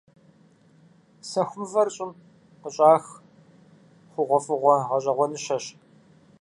Сэху мывэр щӀым къыщӀах хъугъуэфӀыгъуэ гъэщӀэгъуэныщэщ.